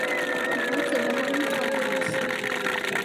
Войт задаволена гладзіў вусы.